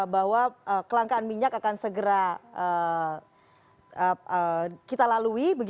bahwa kelangkaan minyak akan segera kita lalui